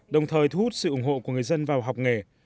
đồng thời thu hút sự ủng hộ của người dân vào học nghề